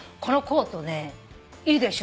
いいでしょ